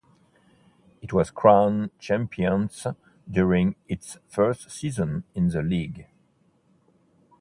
It was crowned champions during its first season in the league.